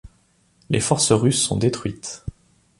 Les forces russes sont détruites.